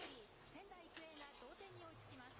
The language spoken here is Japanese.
仙台育英が同点に追いつきます。